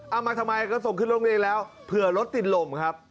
เอามาทำไมก็ส่งขึ้นโรงเรียนแล้วเผื่อรถติดลมครับ